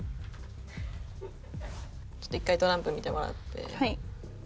ちょっと１回トランプ見てもらって。